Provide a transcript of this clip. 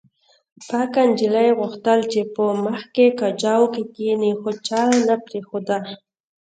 پکه نجلۍ غوښتل چې په مخکې کجاوو کې کښېني خو چا نه پرېښوده